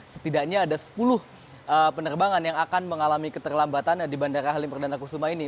setidaknya ada sepuluh penerbangan yang akan mengalami keterlambatan di bandara halim perdana kusuma ini